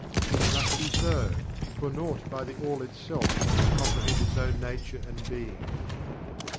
This must be so, for naught by THE ALL itself can comprehend its own nature and being.